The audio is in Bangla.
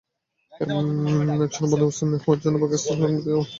একসনা বন্দোবস্ত নেওয়া জায়গায় পাকা স্থাপনা নির্মাণের অনুমতি আমরা দিই না।